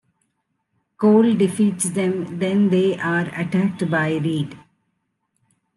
Cole defeats them, then they are attacked by Reed.